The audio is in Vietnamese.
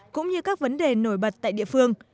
cũng như các vấn đề nổi bật tại địa phương